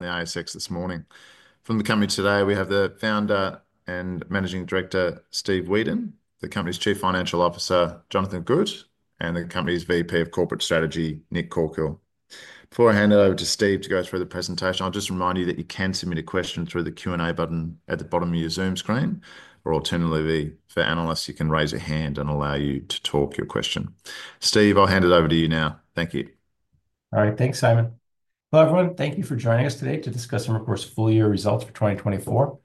The ISX this morning. From the company today, we have the Founder and Managing Director, Steve Wedan, the company's Chief Financial Officer, Jon Gut, and the company's VP of Corporate Strategy, Nick Corkill. Before I hand it over to Steve to go through the presentation, I'll just remind you that you can submit a question through the Q&A button at the bottom of your Zoom screen, or alternatively, for analysts, you can raise your hand and allow you to talk your question. Steve, I'll hand it over to you now. Thank you. All right. Thanks, Simon. Hello, everyone. Thank you for joining us today to discuss Imricor's full year results for 2024.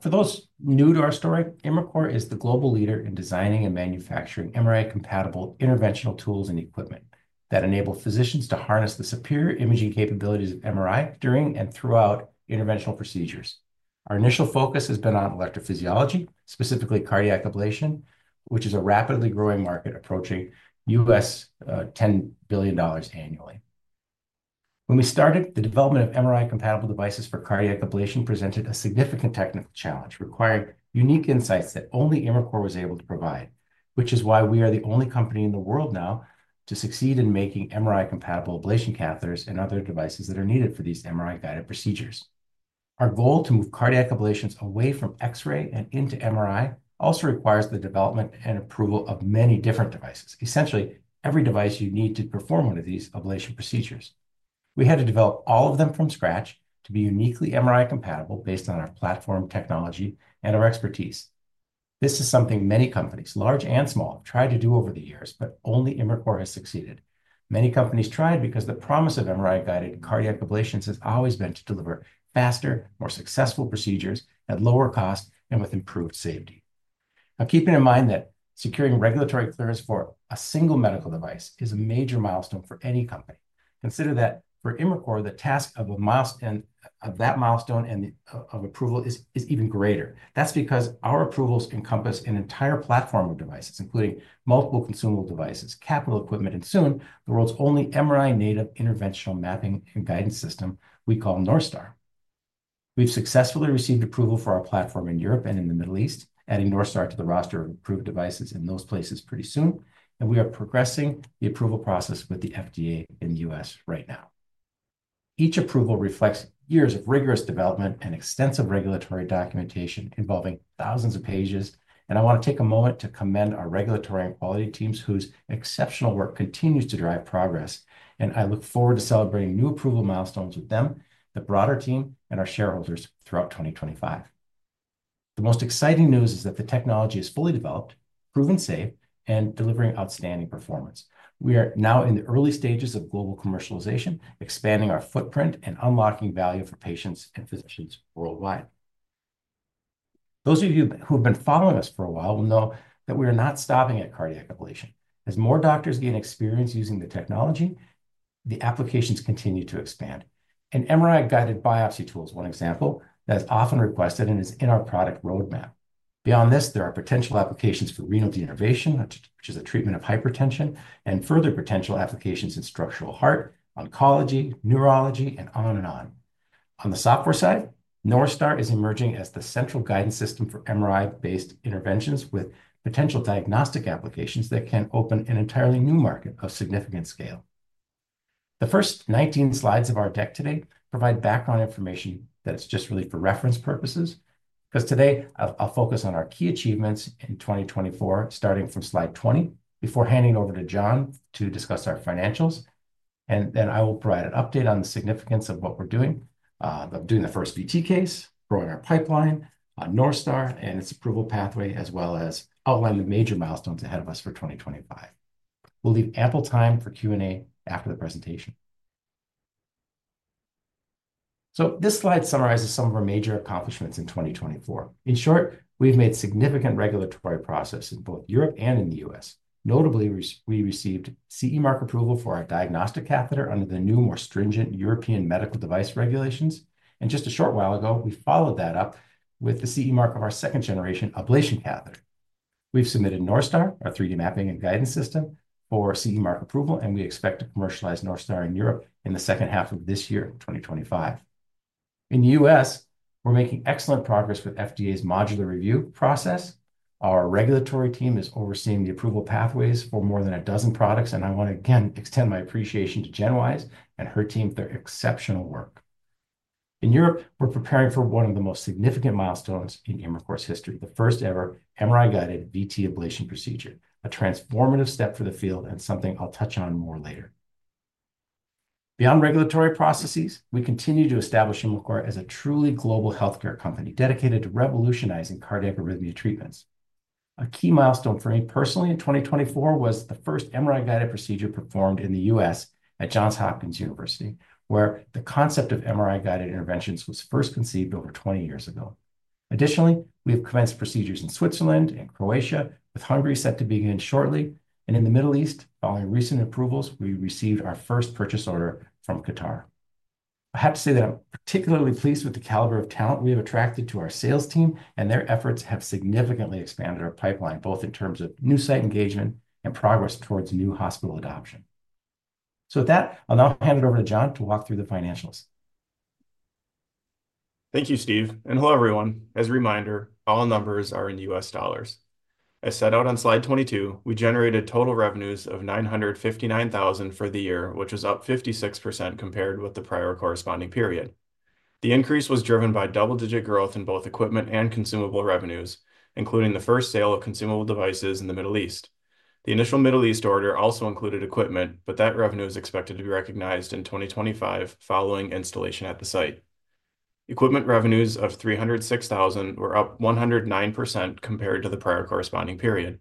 For those new to our story, Imricor is the global leader in designing and manufacturing MRI-compatible interventional tools and equipment that enable physicians to harness the superior imaging capabilities of MRI during and throughout interventional procedures. Our initial focus has been on electrophysiology, specifically cardiac ablation, which is a rapidly growing market approaching $10 billion annually. When we started, the development of MRI-compatible devices for cardiac ablation presented a significant technical challenge, requiring unique insights that only Imricor was able to provide, which is why we are the only company in the world now to succeed in making MRI-compatible ablation catheters and other devices that are needed for these MRI-guided procedures. Our goal to move cardiac ablations away from X-ray and into MRI also requires the development and approval of many different devices, essentially every device you need to perform one of these ablation procedures. We had to develop all of them from scratch to be uniquely MRI-compatible based on our platform, technology, and our expertise. This is something many companies, large and small, have tried to do over the years, but only Imricor has succeeded. Many companies tried because the promise of MRI-guided cardiac ablations has always been to deliver faster, more successful procedures at lower cost and with improved safety. Now, keeping in mind that securing regulatory clearance for a single medical device is a major milestone for any company, consider that for Imricor, the task of that milestone and of approval is even greater. That's because our approvals encompass an entire platform of devices, including multiple consumable devices, capital equipment, and soon the world's only MRI-native interventional mapping and guidance system we call Northstar. We've successfully received approval for our platform in Europe and in the Middle East, adding Northstar to the roster of approved devices in those places pretty soon, and we are progressing the approval process with the FDA in the US right now. Each approval reflects years of rigorous development and extensive regulatory documentation involving thousands of pages, and I want to take a moment to commend our regulatory and quality teams whose exceptional work continues to drive progress, and I look forward to celebrating new approval milestones with them, the broader team, and our shareholders throughout 2025. The most exciting news is that the technology is fully developed, proven safe, and delivering outstanding performance. We are now in the early stages of global commercialization, expanding our footprint and unlocking value for patients and physicians worldwide. Those of you who have been following us for a while will know that we are not stopping at cardiac ablation. As more doctors gain experience using the technology, the applications continue to expand. An MRI-guided biopsy tool is one example that is often requested and is in our product roadmap. Beyond this, there are potential applications for renal denervation, which is a treatment of hypertension, and further potential applications in structural heart, oncology, neurology, and on and on. On the software side, Northstar is emerging as the central guidance system for MRI-based interventions with potential diagnostic applications that can open an entirely new market of significant scale. The first 19 slides of our deck today provide background information that is just really for reference purposes because today I'll focus on our key achievements in 2024, starting from slide 20, before handing it over to John to discuss our financials. I will provide an update on the significance of what we're doing, of doing the first VT case, growing our pipeline, Northstar and its approval pathway, as well as outline the major milestones ahead of us for 2025. We'll leave ample time for Q&A after the presentation. This slide summarizes some of our major accomplishments in 2024. In short, we've made significant regulatory progress in both Europe and in the U.S. Notably, we received CE mark approval for our Diagnostic Catheter under the new, more stringent European medical device regulations. Just a short while ago, we followed that up with the CE mark of our second-generation ablation catheter. We have submitted Northstar, our 3D mapping and guidance system, for CE mark approval, and we expect to commercialize Northstar in Europe in the second half of this year, 2025. In the U.S., we are making excellent progress with FDA's modular review process. Our regulatory team is overseeing the approval pathways for more than a dozen products, and I want to again extend my appreciation to Jen Wise and her team for their exceptional work. In Europe, we are preparing for one of the most significant milestones in Imricor's history, the first-ever MRI-guided VT ablation procedure, a transformative step for the field and something I will touch on more later. Beyond regulatory processes, we continue to establish Imricor as a truly global healthcare company dedicated to revolutionizing cardiac arrhythmia treatments. A key milestone for me personally in 2024 was the first MRI-guided procedure performed in the U.S. at Johns Hopkins University, where the concept of MRI-guided interventions was first conceived over 20 years ago. Additionally, we have commenced procedures in Switzerland and Croatia, with Hungary set to begin shortly, and in the Middle East, following recent approvals, we received our first purchase order from Qatar. I have to say that I'm particularly pleased with the caliber of talent we have attracted to our sales team, and their efforts have significantly expanded our pipeline, both in terms of new site engagement and progress towards new hospital adoption. With that, I'll now hand it over to John to walk through the financials. Thank you, Steve. And hello, everyone. As a reminder, all numbers are in US dollars. As set out on slide 22, we generated total revenues of $959,000 for the year, which was up 56% compared with the prior corresponding period. The increase was driven by double-digit growth in both equipment and consumable revenues, including the first sale of consumable devices in the Middle East. The initial Middle East order also included equipment, but that revenue is expected to be recognized in 2025 following installation at the site. Equipment revenues of $306,000 were up 109% compared to the prior corresponding period.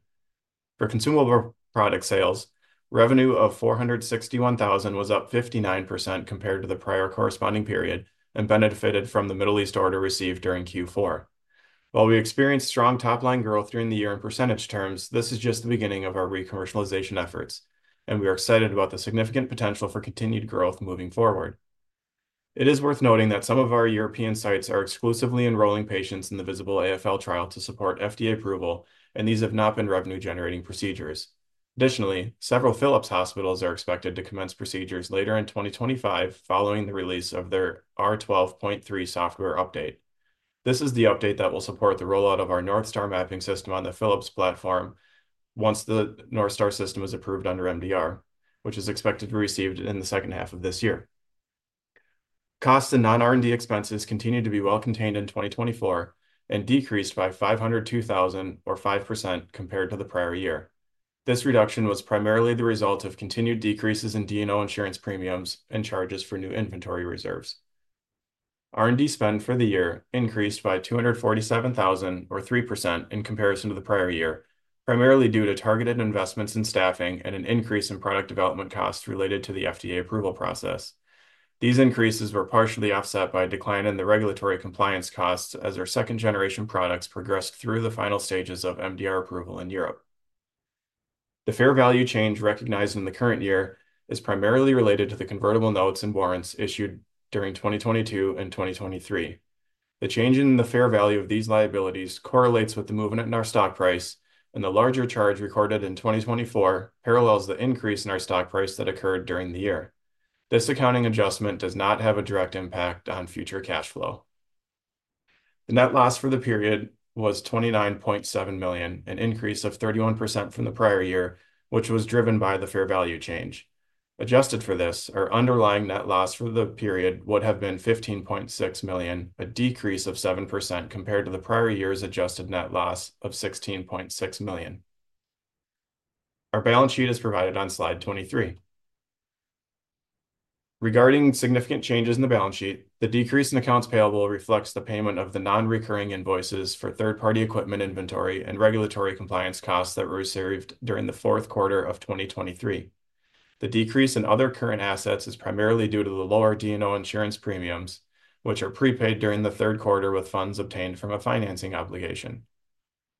For consumable product sales, revenue of $461,000 was up 59% compared to the prior corresponding period and benefited from the Middle East order received during Q4. While we experienced strong top-line growth during the year in percentage terms, this is just the beginning of our re-commercialization efforts, and we are excited about the significant potential for continued growth moving forward. It is worth noting that some of our European sites are exclusively enrolling patients in the Visible AFL trial to support FDA approval, and these have not been revenue-generating procedures. Additionally, several Philips hospitals are expected to commence procedures later in 2025 following the release of their R12.3 software update. This is the update that will support the rollout of our Northstar mapping system on the Philips platform once the Northstar system is approved under MDR, which is expected to be received in the second half of this year. Costs and non-R&D expenses continue to be well-contained in 2024 and decreased by $502,000 or 5% compared to the prior year. This reduction was primarily the result of continued decreases in D&O insurance premiums and charges for new inventory reserves. R&D spend for the year increased by $247,000 or 3% in comparison to the prior year, primarily due to targeted investments in staffing and an increase in product development costs related to the FDA approval process. These increases were partially offset by a decline in the regulatory compliance costs as our second-generation products progressed through the final stages of MDR approval in Europe. The fair value change recognized in the current year is primarily related to the convertible notes and warrants issued during 2022 and 2023. The change in the fair value of these liabilities correlates with the movement in our stock price, and the larger charge recorded in 2024 parallels the increase in our stock price that occurred during the year. This accounting adjustment does not have a direct impact on future cash flow. The net loss for the period was $29.7 million, an increase of 31% from the prior year, which was driven by the fair value change. Adjusted for this, our underlying net loss for the period would have been $15.6 million, a decrease of 7% compared to the prior year's adjusted net loss of $16.6 million. Our balance sheet is provided on slide 23. Regarding significant changes in the balance sheet, the decrease in accounts payable reflects the payment of the non-recurring invoices for third-party equipment inventory and regulatory compliance costs that were received during the fourth quarter of 2023. The decrease in other current assets is primarily due to the lower D&O insurance premiums, which are prepaid during the third quarter with funds obtained from a financing obligation.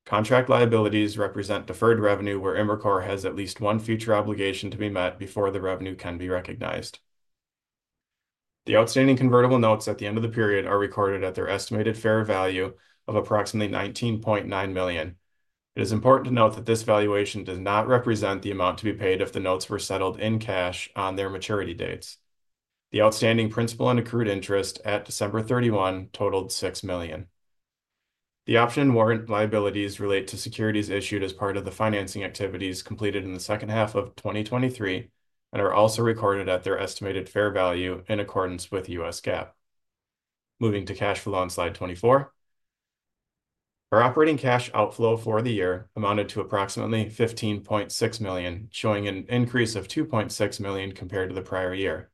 Contract liabilities represent deferred revenue where Imricor has at least one future obligation to be met before the revenue can be recognized. The outstanding convertible notes at the end of the period are recorded at their estimated fair value of approximately $19.9 million. It is important to note that this valuation does not represent the amount to be paid if the notes were settled in cash on their maturity dates. The outstanding principal and accrued interest at December 31 totaled $6 million. The option and warrant liabilities relate to securities issued as part of the financing activities completed in the second half of 2023 and are also recorded at their estimated fair value in accordance with US GAAP. Moving to cash flow on slide 24. Our operating cash outflow for the year amounted to approximately $15.6 million, showing an increase of $2.6 million compared to the prior year.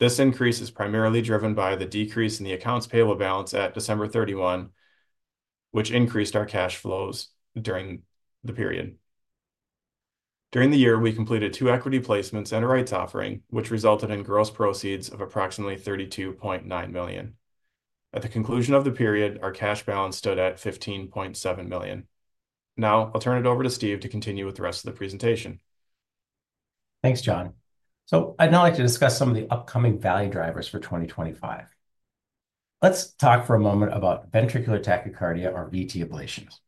This increase is primarily driven by the decrease in the accounts payable balance at December 31, which increased our cash flows during the period. During the year, we completed two equity placements and a rights offering, which resulted in gross proceeds of approximately $32.9 million. At the conclusion of the period, our cash balance stood at $15.7 million. Now, I'll turn it over to Steve to continue with the rest of the presentation. Thanks, John. I'd now like to discuss some of the upcoming value drivers for 2025. Let's talk for a moment about ventricular tachycardia, or VT ablations.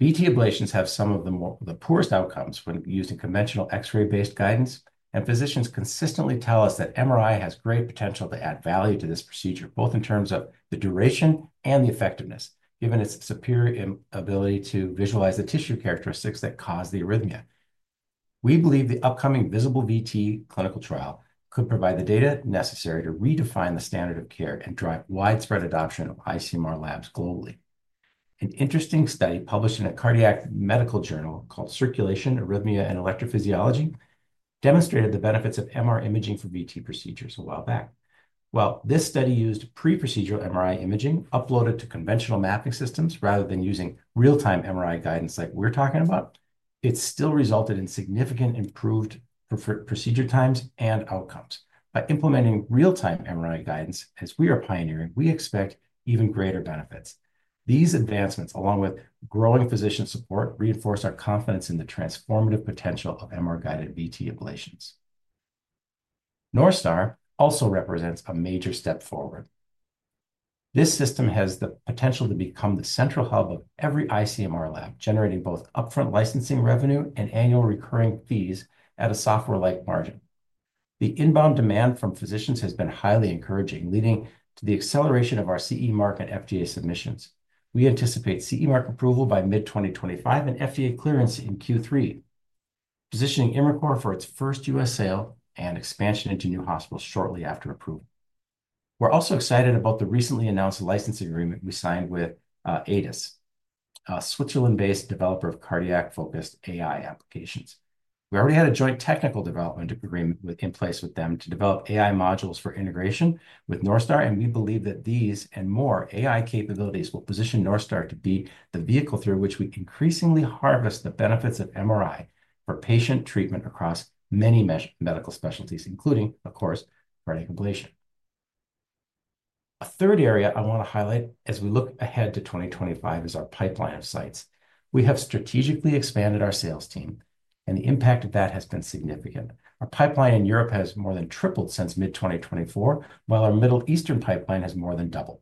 VT ablations have some of the poorest outcomes when used in conventional X-ray-based guidance, and physicians consistently tell us that MRI has great potential to add value to this procedure, both in terms of the duration and the effectiveness, given its superior ability to visualize the tissue characteristics that cause the arrhythmia. We believe the upcoming Visible VT clinical trial could provide the data necessary to redefine the standard of care and drive widespread adoption of ICMR labs globally. An interesting study published in a cardiac medical journal called Circulation, Arrhythmia, and Electrophysiology demonstrated the benefits of MR imaging for VT procedures a while back. While this study used pre-procedural MRI imaging uploaded to conventional mapping systems rather than using real-time MRI guidance like we're talking about, it still resulted in significant improved procedure times and outcomes. By implementing real-time MRI guidance, as we are pioneering, we expect even greater benefits. These advancements, along with growing physician support, reinforce our confidence in the transformative potential of MR-guided VT ablations. Northstar also represents a major step forward. This system has the potential to become the central hub of every ICMR lab, generating both upfront licensing revenue and annual recurring fees at a software-like margin. The inbound demand from physicians has been highly encouraging, leading to the acceleration of our CE mark and FDA submissions. We anticipate CE mark approval by mid-2025 and FDA clearance in Q3, positioning Imricor for its first US sale and expansion into new hospitals shortly after approval. We're also excited about the recently announced licensing agreement we signed with ADAS 3, a Switzerland-based developer of cardiac-focused AI applications. We already had a joint technical development agreement in place with them to develop AI modules for integration with Northstar, and we believe that these and more AI capabilities will position Northstar to be the vehicle through which we increasingly harvest the benefits of MRI for patient treatment across many medical specialties, including, of course, cardiac ablation. A third area I want to highlight as we look ahead to 2025 is our pipeline of sites. We have strategically expanded our sales team, and the impact of that has been significant. Our pipeline in Europe has more than tripled since mid-2024, while our Middle Eastern pipeline has more than doubled.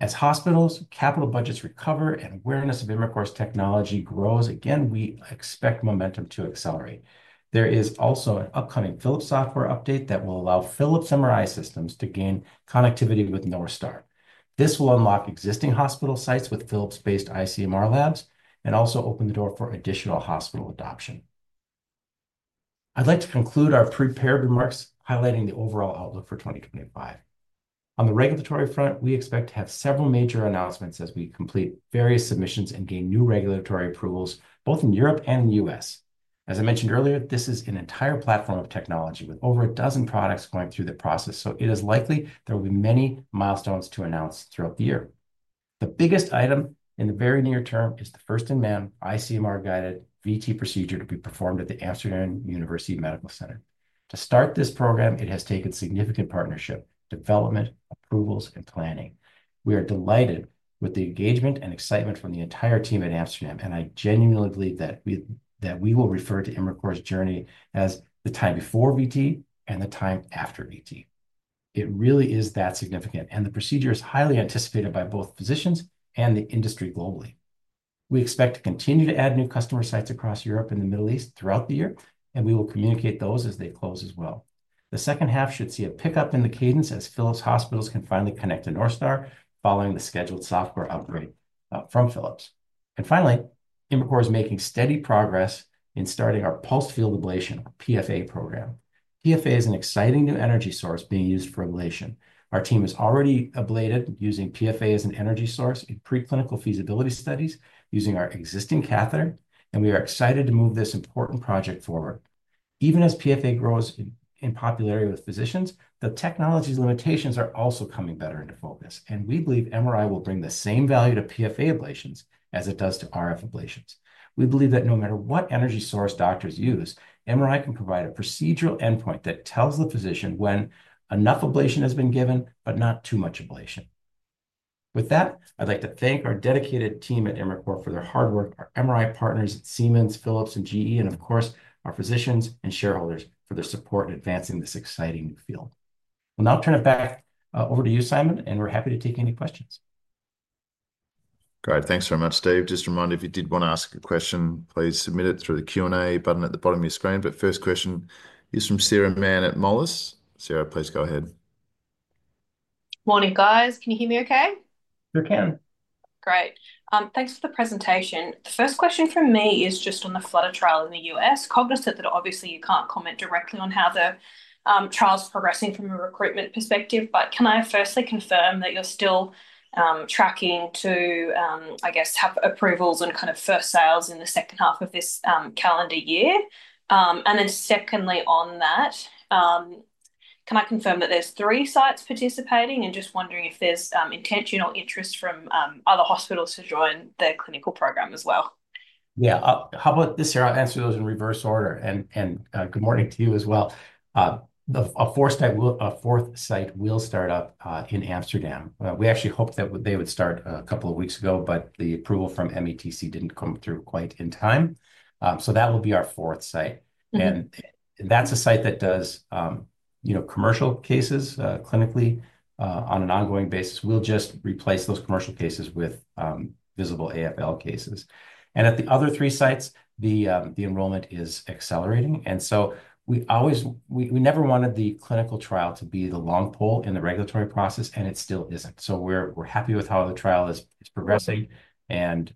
As hospitals, capital budgets recover, and awareness of Imricor's technology grows, again, we expect momentum to accelerate. There is also an upcoming Philips software update that will allow Philips MRI systems to gain connectivity with Northstar. This will unlock existing hospital sites with Philips-based ICMR labs and also open the door for additional hospital adoption. I'd like to conclude our prepared remarks highlighting the overall outlook for 2025. On the regulatory front, we expect to have several major announcements as we complete various submissions and gain new regulatory approvals both in Europe and the US. As I mentioned earlier, this is an entire platform of technology with over a dozen products going through the process, so it is likely there will be many milestones to announce throughout the year. The biggest item in the very near term is the first-in-man ICMR-guided VT procedure to be performed at the Amsterdam University Medical Center. To start this program, it has taken significant partnership, development, approvals, and planning. We are delighted with the engagement and excitement from the entire team at Amsterdam, and I genuinely believe that we will refer to Imricor's journey as the time before VT and the time after VT. It really is that significant, and the procedure is highly anticipated by both physicians and the industry globally. We expect to continue to add new customer sites across Europe and the Middle East throughout the year, and we will communicate those as they close as well. The second half should see a pickup in the cadence as Philips hospitals can finally connect to Northstar following the scheduled software upgrade from Philips. Finally, Imricor is making steady progress in starting our pulse field ablation, our PFA program. PFA is an exciting new energy source being used for ablation. Our team has already ablated using PFA as an energy source in preclinical feasibility studies using our existing catheter, and we are excited to move this important project forward. Even as PFA grows in popularity with physicians, the technology's limitations are also coming better into focus, and we believe MRI will bring the same value to PFA ablations as it does to RF ablations. We believe that no matter what energy source doctors use, MRI can provide a procedural endpoint that tells the physician when enough ablation has been given, but not too much ablation. With that, I'd like to thank our dedicated team at Imricor for their hard work, our MRI partners at Siemens, Philips, and GE, and of course, our physicians and shareholders for their support in advancing this exciting new field. Now I'll turn it back over to you, Simon, and we're happy to take any questions. Great. Thanks very much, Steve. Just a reminder, if you did want to ask a question, please submit it through the Q&A button at the bottom of your screen. The first question is from Sarah Mann at Moelis. Sarah, please go ahead. Morning, guys. Can you hear me okay? Sure can. Great. Thanks for the presentation. The first question from me is just on the Flutter trial in the U.S. Cognizant that obviously you can't comment directly on how the trial's progressing from a recruitment perspective, but can I firstly confirm that you're still tracking to, I guess, have approvals and kind of first sales in the second half of this calendar year? Secondly on that, can I confirm that there's three sites participating and just wondering if there's intentional interest from other hospitals to join the clinical program as well? Yeah, how about this, Sarah? I'll answer those in reverse order. Good morning to you as well. A fourth site will start up in Amsterdam. We actually hoped that they would start a couple of weeks ago, but the approval from METC didn't come through quite in time. That will be our fourth site. That's a site that does commercial cases clinically on an ongoing basis. We'll just replace those commercial cases with Visible AFL cases. At the other three sites, the enrollment is accelerating. We never wanted the clinical trial to be the long pole in the regulatory process, and it still isn't. We're happy with how the trial is progressing and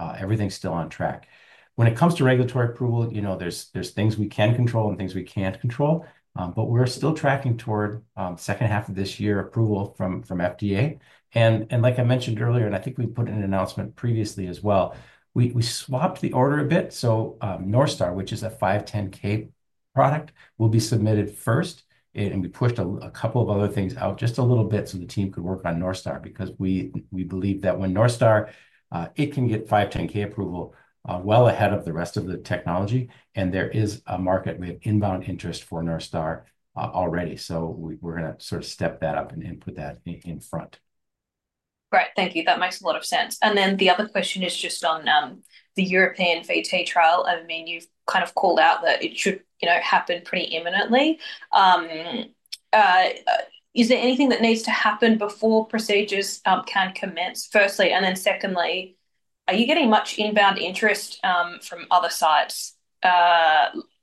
everything's still on track. When it comes to regulatory approval, you know there's things we can control and things we can't control, but we're still tracking toward second half of this year approval from FDA. Like I mentioned earlier, and I think we put in an announcement previously as well, we swapped the order a bit. Northstar, which is a 510K product, will be submitted first, and we pushed a couple of other things out just a little bit so the team could work on Northstar because we believe that when Northstar can get 510K approval well ahead of the rest of the technology, and there is a market with inbound interest for Northstar already. We're going to sort of step that up and put that in front. Great. Thank you. That makes a lot of sense. The other question is just on the European FETA trial. I mean, you've kind of called out that it should happen pretty imminently. Is there anything that needs to happen before procedures can commence? Firstly, and then secondly, are you getting much inbound interest from other sites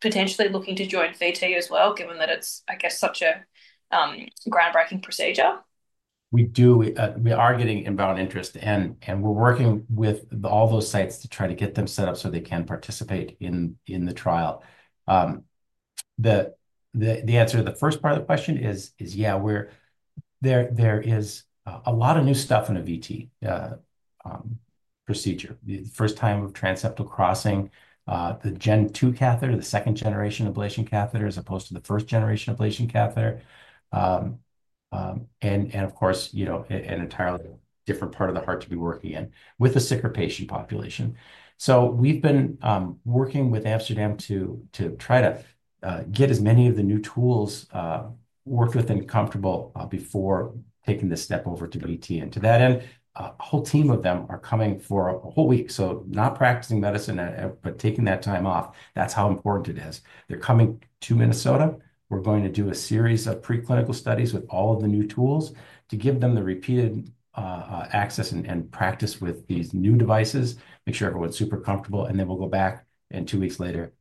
potentially looking to join FETA as well, given that it's, I guess, such a groundbreaking procedure? We do. We are getting inbound interest, and we're working with all those sites to try to get them set up so they can participate in the trial. The answer to the first part of the question is, yeah, there is a lot of new stuff in a VT procedure. The first time of transseptal crossing, the Gen II catheter, the second-generation ablation catheter as opposed to the first-generation ablation catheter, and of course, an entirely different part of the heart to be working in with a sicker patient population. We have been working with Amsterdam to try to get as many of the new tools worked with and comfortable before taking the step over to VT. To that end, a whole team of them are coming for a whole week. Not practicing medicine, but taking that time off, that's how important it is. They're coming to Minnesota. We're going to do a series of preclinical studies with all of the new tools to give them the repeated access and practice with these new devices, make sure everyone's super comfortable, and then we'll go back and two weeks later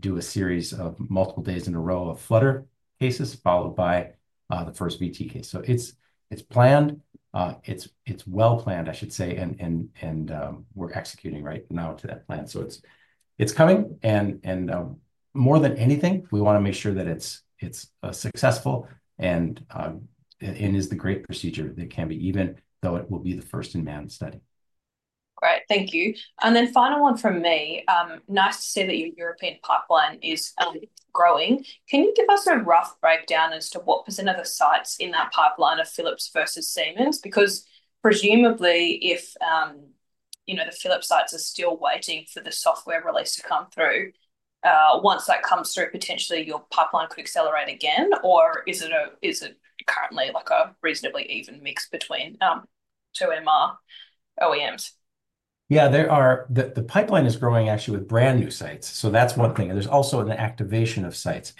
do a series of multiple days in a row of Flutter cases followed by the first VT case. It is planned. It is well planned, I should say, and we're executing right now to that plan. It is coming. More than anything, we want to make sure that it's successful and is the great procedure that it can be even though it will be the first-in-man study. Great. Thank you. Final one from me. Nice to see that your European pipeline is growing. Can you give us a rough breakdown as to what % of the sites in that pipeline are Philips versus Siemens? Because presumably, if the Philips sites are still waiting for the software release to come through, once that comes through, potentially your pipeline could accelerate again, or is it currently like a reasonably even mix between two MR OEMs? Yeah, the pipeline is growing actually with brand new sites. That is one thing. There is also an activation of sites.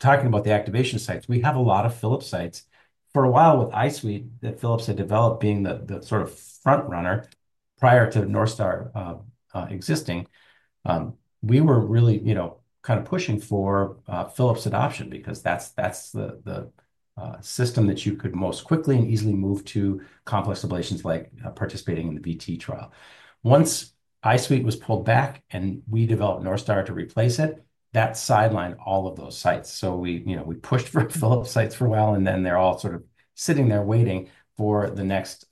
Talking about the activation sites, we have a lot of Philips sites. For a while with iSweet, that Philips had developed being the sort of front runner prior to Northstar existing, we were really kind of pushing for Philips adoption because that is the system that you could most quickly and easily move to complex ablations like participating in the VT trial. Once iSuite was pulled back and we developed Northstar to replace it, that sidelined all of those sites. We pushed for Philips sites for a while, and then they are all sort of sitting there waiting for the next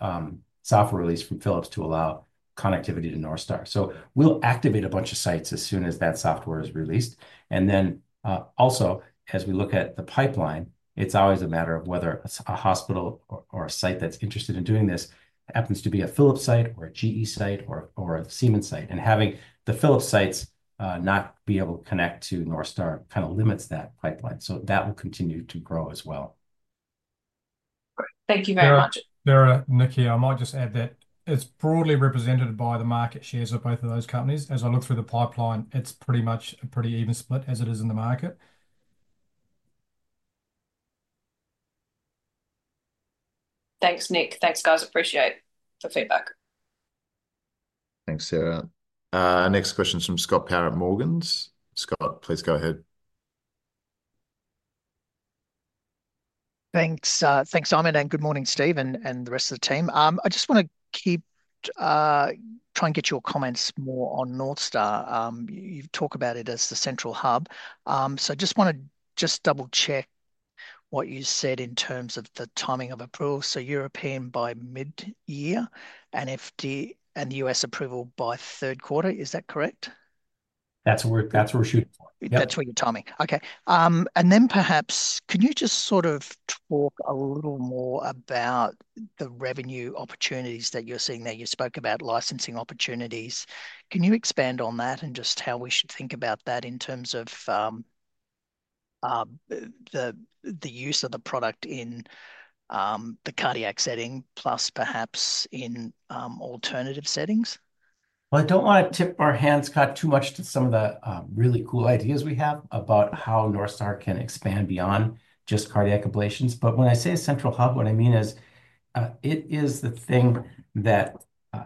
software release from Philips to allow connectivity to Northstar. We will activate a bunch of sites as soon as that software is released. Also, as we look at the pipeline, it's always a matter of whether a hospital or a site that's interested in doing this happens to be a Philips site or a GE site or a Siemens site. Having the Philips sites not be able to connect to Northstar kind of limits that pipeline. That will continue to grow as well. Thank you very much. Sarah, Nick here. I might just add that it's broadly represented by the market shares of both of those companies. As I look through the pipeline, it's pretty much a pretty even split as it is in the market. Thanks, Nick. Thanks, guys. Appreciate the feedback. Thanks, Sarah. Next question is from Scott Power at Morgans. Scott, please go ahead. Thanks, Simon, and good morning, Steve and the rest of the team. I just want to keep trying to get your comments more on Northstar. You talk about it as the central hub. I just want to just double-check what you said in terms of the timing of approval. European by mid-year and US approval byQ3 Is that correct? That's where we're shooting for. That's where you're timing. Okay. Can you just sort of talk a little more about the revenue opportunities that you're seeing there? You spoke about licensing opportunities. Can you expand on that and just how we should think about that in terms of the use of the product in the cardiac setting, plus perhaps in alternative settings? I don't want to tip our hands kind of too much to some of the really cool ideas we have about how Northstar can expand beyond just cardiac ablations. When I say a central hub, what I mean is it is the thing that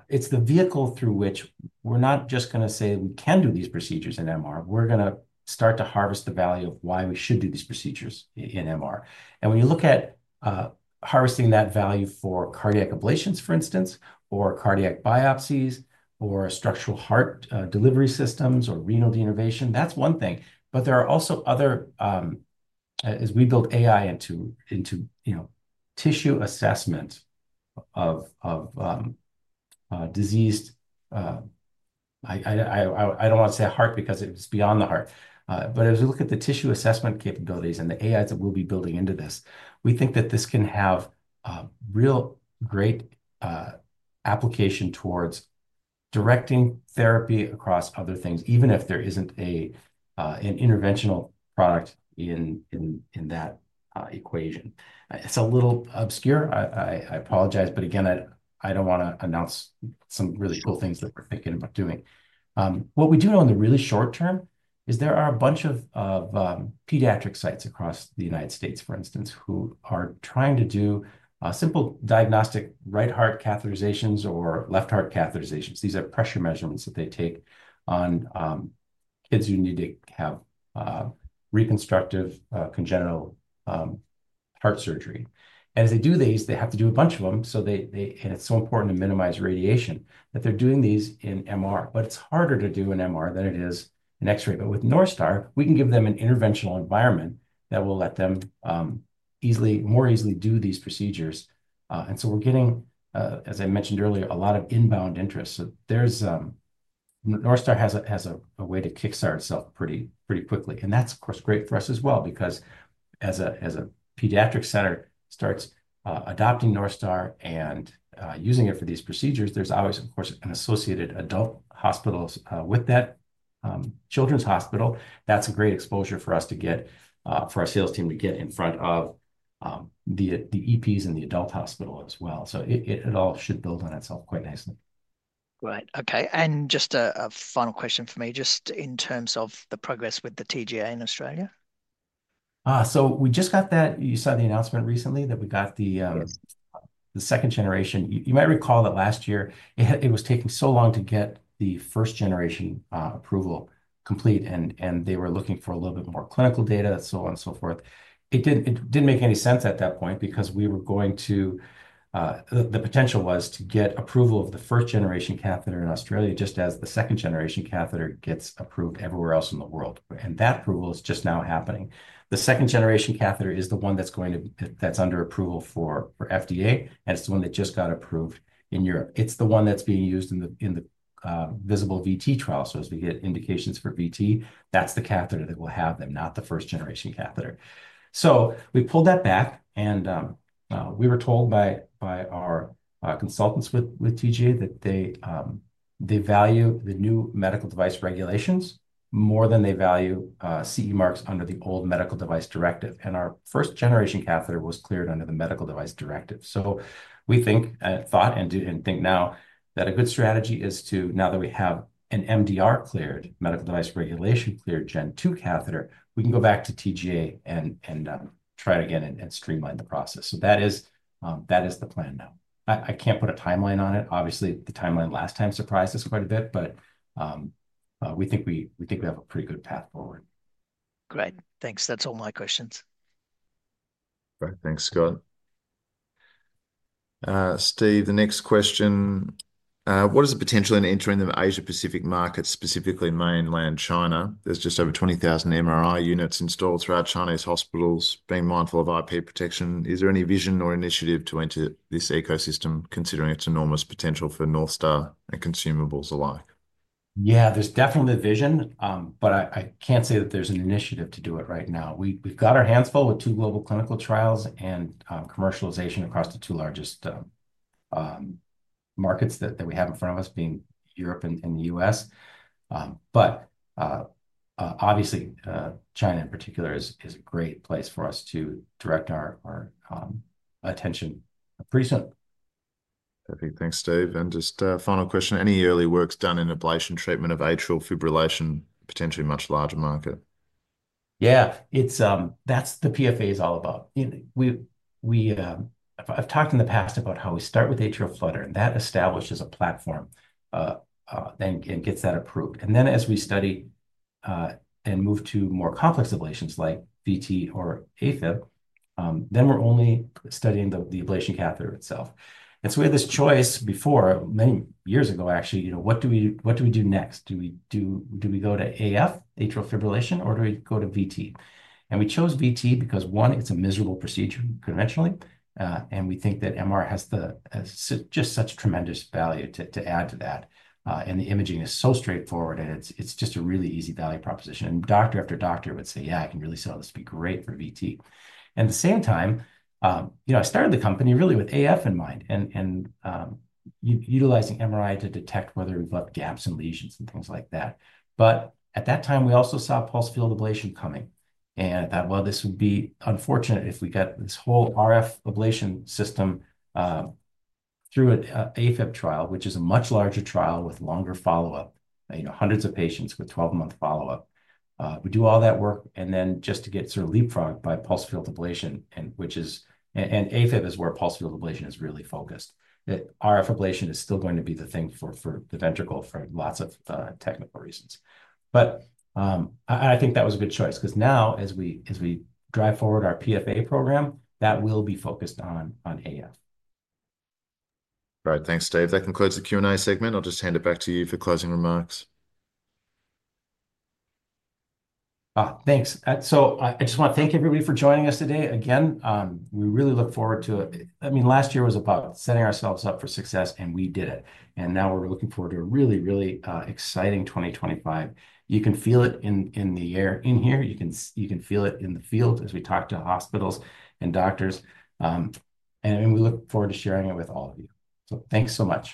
it's the vehicle through which we're not just going to say we can do these procedures in MR. We're going to start to harvest the value of why we should do these procedures in MR. When you look at harvesting that value for cardiac ablations, for instance, or cardiac biopsies or structural heart delivery systems or renal denervation, that's one thing. There are also other, as we build AI into tissue assessment of diseased, I don't want to say heart because it's beyond the heart. As we look at the tissue assessment capabilities and the AIs that we'll be building into this, we think that this can have real great application towards directing therapy across other things, even if there isn't an interventional product in that equation. It's a little obscure. I apologize, but again, I don't want to announce some really cool things that we're thinking about doing. What we do know in the really short term is there are a bunch of pediatric sites across the United States, for instance, who are trying to do simple diagnostic right heart catheterizations or left heart catheterizations. These are pressure measurements that they take on kids who need to have reconstructive congenital heart surgery. As they do these, they have to do a bunch of them. It's so important to minimize radiation that they're doing these in MR. It's harder to do in MR than it is in X-ray. With Northstar, we can give them an interventional environment that will let them more easily do these procedures. As I mentioned earlier, we're getting a lot of inbound interest. Northstar has a way to kickstart itself pretty quickly. That's great for us as well because as a pediatric center starts adopting Northstar and using it for these procedures, there's always, of course, an associated adult hospital with that children's hospital. That's a great exposure for us to get for our sales team to get in front of the EPs and the adult hospital as well. It all should build on itself quite nicely. Great. Okay. Just a final question for me, just in terms of the progress with the TGA in Australia. We just got that. You saw the announcement recently that we got the second generation. You might recall that last year, it was taking so long to get the first-generation approval complete, and they were looking for a little bit more clinical data, so on and so forth. It didn't make any sense at that point because we were going to, the potential was to get approval of the first-generation catheter in Australia just as the second-generation catheter gets approved everywhere else in the world. That approval is just now happening. The second-generation catheter is the one that's under approval for FDA, and it's the one that just got approved in Europe. It's the one that's being used in the Visible VT trial. As we get indications for VT, that's the catheter that will have them, not the first-generation catheter. We pulled that back, and we were told by our consultants with TGA that they value the new medical device regulations more than they value CE marks under the old medical device directive. Our first-generation catheter was cleared under the medical device directive. We think and thought and think now that a good strategy is to, now that we have an MDR cleared, medical device regulation cleared Gen II catheter, we can go back to TGA and try it again and streamline the process. That is the plan now. I can't put a timeline on it. Obviously, the timeline last time surprised us quite a bit, but we think we have a pretty good path forward. Great. Thanks. That's all my questions. Great. Thanks, Scott. Steve, the next question. What is the potential in entering the Asia-Pacific market, specifically mainland China? There are just over 20,000 MRI units installed throughout Chinese hospitals. Being mindful of IP protection, is there any vision or initiative to enter this ecosystem considering its enormous potential for Northstar and consumables alike? Yeah, there's definitely vision, but I can't say that there's an initiative to do it right now. We've got our hands full with two global clinical trials and commercialization across the two largest markets that we have in front of us, being Europe and the US. Obviously, China in particular is a great place for us to direct our attention pretty soon. Thanks, Steve. Just final question. Any early works done in ablation treatment of atrial fibrillation, potentially much larger market? Yeah, that's what the PFA is all about. I've talked in the past about how we start with atrial flutter, and that establishes a platform and gets that approved. As we study and move to more complex ablations like VT or AFib, we're only studying the ablation catheter itself. We had this choice before, many years ago, actually, what do we do next? Do we go to AF, atrial fibrillation, or do we go to VT? We chose VT because, one, it's a miserable procedure conventionally, and we think that MR has just such tremendous value to add to that. The imaging is so straightforward, and it's just a really easy value proposition. Doctor after doctor would say, "Yeah, I can really sell this to be great for VT." At the same time, I started the company really with AF in mind and utilizing MRI to detect whether we've got gaps and lesions and things like that. At that time, we also saw pulse field ablation coming. I thought, "This would be unfortunate if we got this whole RF ablation system through an AFib trial, which is a much larger trial with longer follow-up, hundreds of patients with 12-month follow-up." We do all that work, and then just to get sort of leapfrogged by pulse field ablation, which is, and AFib is where pulse field ablation is really focused. RF ablation is still going to be the thing for the ventricle for lots of technical reasons. I think that was a good choice because now, as we drive forward our PFA program, that will be focused on AF. Great. Thanks, Steve. That concludes the Q&A segment. I'll just hand it back to you for closing remarks. Thanks. I just want to thank everybody for joining us today. Again, we really look forward to, I mean, last year was about setting ourselves up for success, and we did it. Now we're looking forward to a really, really exciting 2025. You can feel it in the air in here. You can feel it in the field as we talk to hospitals and doctors. We look forward to sharing it with all of you. Thanks so much.